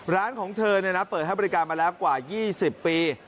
ร้านของเธอเปิดให้บริการมาแล้วกว่า๒๐ปี